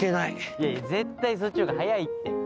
いやいや絶対そっちの方が速いって。